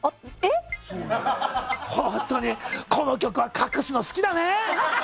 本当にこの局は隠すの好きだね。